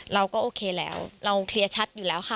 เราก็โอเคแล้วเราเคลียร์ชัดอยู่แล้วค่ะ